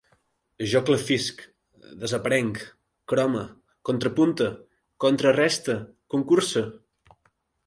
Jo clafisc, desaprenc, crome, contrapunte, contrareste, concurse